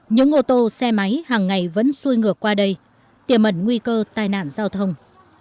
những ô tô xe máy hàng ngày vẫn xuôi ngược qua đây tiềm ẩn nguy cơ tai nạn giao thông